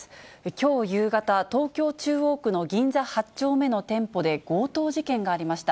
きょう夕方、東京・中央区の銀座８丁目の店舗で強盗事件がありました。